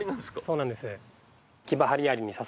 そうなんです